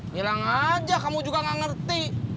nilang aja kamu juga nggak ngerti